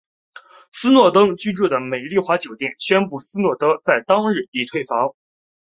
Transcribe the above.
斯诺登居住的美丽华酒店宣布斯诺登在当日已经退房。